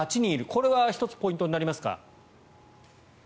これは１つポイントになりますか？